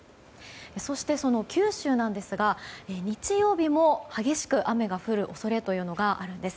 そして、その九州なんですが日曜日も激しく雨が降る恐れというのがあるんです。